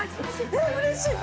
うれしい！